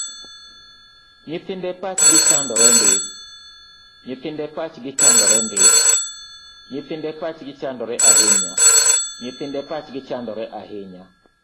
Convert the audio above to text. Nyithinde pachgi chandore ahinya